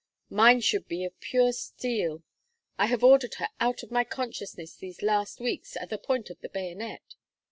Mine should be of pure steel; I have ordered her out of my consciousness these last weeks at the point of the bayonet.